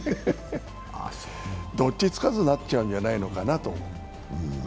どっちつかずになっちゃうんじゃないかなと。